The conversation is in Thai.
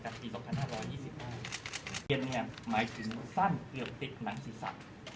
การจะจดแจ้งชื่อผัดเกลียนเนี้ย